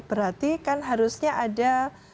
berarti kan harusnya ada